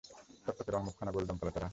টকটকে রঙ, মুখখানা গোল, জমকালো চেহারা।